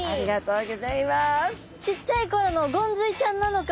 ちっちゃい頃のゴンズイちゃんなのか。